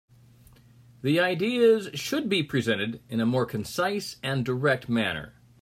The ideas should be presented in a more concise and direct manner.